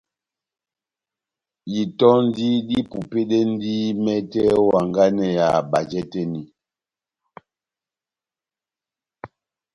Itɔndi dipupedɛndi mɛtɛ ó hanganɛ ya bajɛ tɛ́h eni.